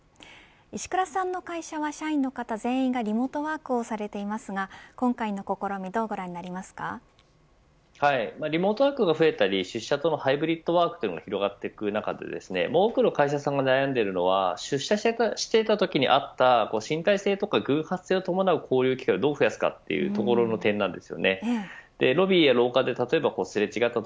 石倉さんの会社は社員の方全員がリモートワークをされていますが今回の試みをリモートワークが増えたり出社とのハイブリッドワークが広がる中多くの会社さんが悩んでいるのが出社していたときにあった身体性とか偶発性を伴うこういう機会をどう増やすかというところです。